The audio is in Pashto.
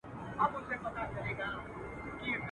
پوره پوره لاس درلودی